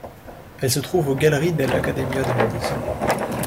Elle se trouve aux Gallerie dell'Accademia de Venise.